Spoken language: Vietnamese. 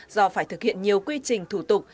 do phải thực hiện nhiều quy trình thủ tục